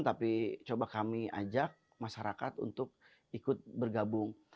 tapi coba kami ajak masyarakat untuk ikut bergabung